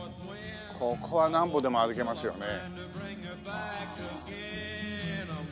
ここはなんぼでも歩けますよね。